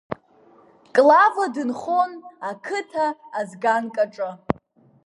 Клава дынхон ақыҭа азганк аҿы.